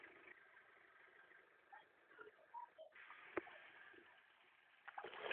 uchomaji wa misitu wakati ya mapigano